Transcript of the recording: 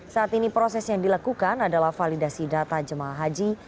saat ini proses yang dilakukan adalah validasi data jemaah haji